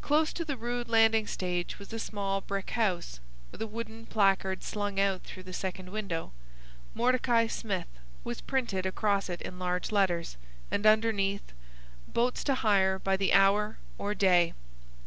Close to the rude landing stage was a small brick house, with a wooden placard slung out through the second window. "Mordecai Smith" was printed across it in large letters, and, underneath, "Boats to hire by the hour or day."